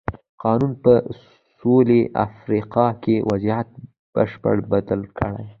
قانون په سوېلي افریقا کې وضعیت بشپړه بدل کړ.